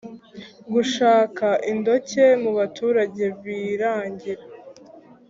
Gushaka indonke mubaturage birangira